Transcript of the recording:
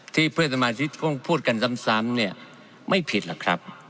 ที่เพื่อนสมาชิกพูดกันซ้ำไม่ผิดเหรอครับ